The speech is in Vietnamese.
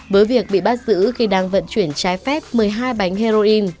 với việc bị bắt giữ khi đang vận chuyển trái phép một mươi hai bánh heroin